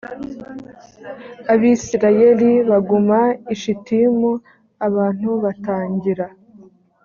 abisirayeli baguma i shitimu abantu batangira